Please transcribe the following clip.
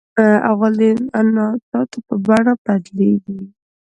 غول د انتاناتو په بڼه بدلیږي.